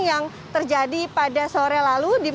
yang terjadi pada sore lalu